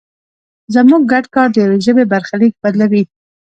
زموږ ګډ کار د یوې ژبې برخلیک بدلوي.